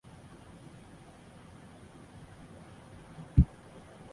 东北扁果草为毛茛科扁果草属下的一个种。